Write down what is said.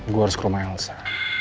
gue harus ke rumah elsa